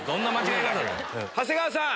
長谷川さん！